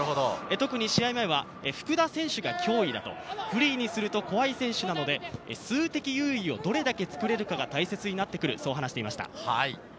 試合前は福田選手が脅威だ、フリーにすると怖い選手なので、数的優位をどれだけ作れるかが大切になってくると話していました。